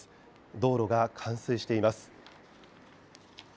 道路が冠水しています。